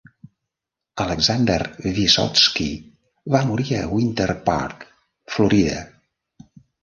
Alexander Vyssotsky va morir a Winter Park, Florida.